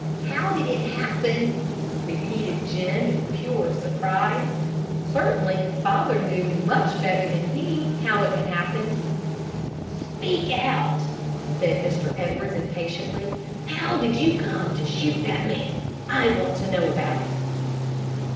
"How did it happen!" repeated Jim, in pure surprise. Certainly his father knew much better than he how it had happened. "Speak out!" said Mr. Edwards, impatiently. "How did you come to shoot that man? I want to know about it."